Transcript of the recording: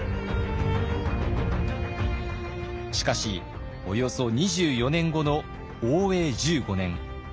しかしおよそ２４年後の応永１５年。